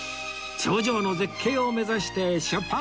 頂上の絶景を目指して出発！